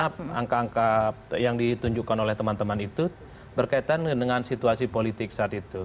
karena angka angka yang ditunjukkan oleh teman teman itu berkaitan dengan situasi politik saat itu